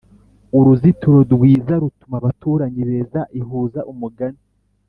uruzitiro rwiza rutuma abaturanyi beza ihuza umugani